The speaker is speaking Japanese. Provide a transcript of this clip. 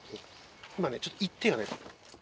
今ねちょっと「言って」がね。